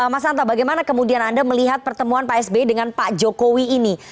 mas anta bagaimana kemudian anda melihat pertemuan pak sby dengan pak jokowi ini